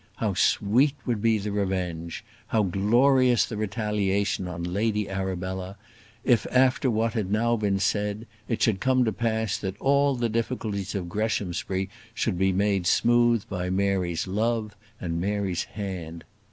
How sweet would be the revenge, how glorious the retaliation on Lady Arabella, if, after what had now been said, it should come to pass that all the difficulties of Greshamsbury should be made smooth by Mary's love, and Mary's hand!